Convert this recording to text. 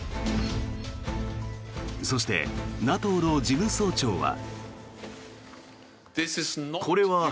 そしてＮＡＴＯの事務総長は。